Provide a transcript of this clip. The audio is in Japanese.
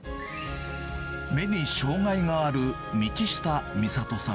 目に障がいがある道下美里さん